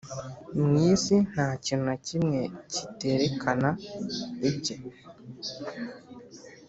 Mu isi ntakintu nakimwe kiterekana ibye